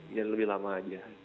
iya lebih lama aja